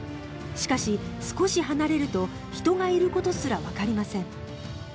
しかし、少し離れると人がいることすらわかりません。